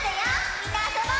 みんなあそぼうね！